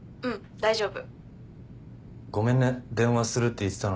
大丈夫。